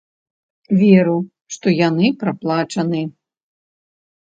Веру, што яны праплачаны.